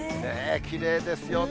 きれいですよね。